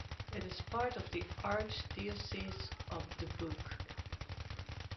It is part of the Archdiocese of Dubuque.